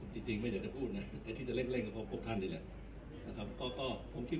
ที่จะเกิดเมื่อน้องออกมาแล้วเนี่ย